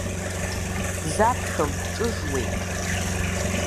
Дзаԥхьом, дҿыжуеит.